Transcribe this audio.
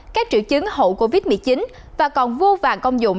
các triệu chứng hậu covid một mươi chín và còn vô vàng công dụng